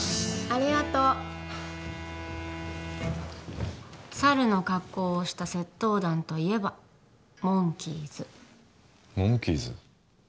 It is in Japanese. ありがとう猿の格好をした窃盗団といえばモンキーズモンキーズ？